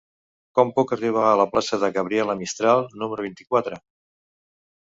Com puc arribar a la plaça de Gabriela Mistral número vint-i-quatre?